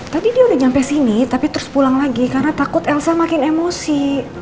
tadi dia udah sampai sini tapi terus pulang lagi karena takut elsa makin emosi